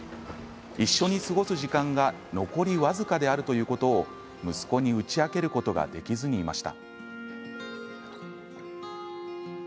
一緒に過ごす時間が残り僅かであることを息子に打ち明けることができずにいました。